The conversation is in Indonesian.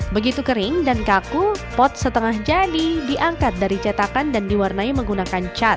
begitu kering dan kaku pot setengah jadi diangkat dari cetakan dan diwarnai menggunakan cat